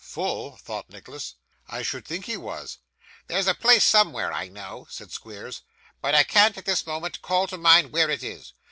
'Full!' thought Nicholas. 'I should think he was.' 'There's a place somewhere, I know,' said Squeers; 'but I can't at this moment call to mind where it is.